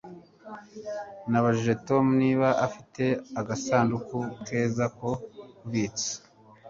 Nabajije Tom niba afite agasanduku keza ko kubitsa